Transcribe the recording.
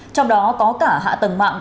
trong đó có cả hạ tầng mạng của nước việt nam